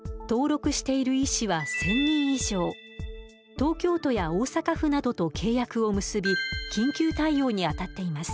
東京都や大阪府などと契約を結び緊急対応にあたっています。